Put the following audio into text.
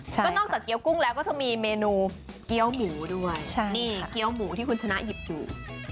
ก็นอกจากเกี้ยวกุ้งแล้วก็จะมีเมนูเกี้ยวหมูด้วยนี่เกี้ยวหมูที่คุณชนะหยิบอยู่